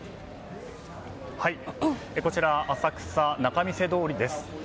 こちら、浅草・仲見世通りです。